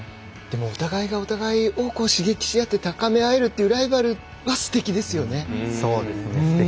お互いがお互いを刺激し合って高め合えるというライバルはすてきですよね。